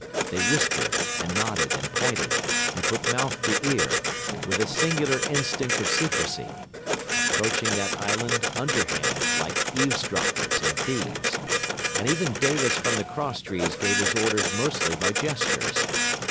They whispered, and nodded, and pointed, and put mouth to ear, with a singular instinct of secrecy, approaching that island underhand like eavesdroppers and thieves; and even Davis from the cross trees gave his orders mostly by gestures.